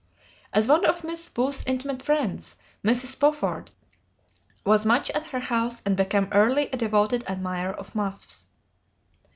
As one of Miss Booth's intimate friends, Mrs. Spofford was much at her house and became early a devoted admirer of Muff's.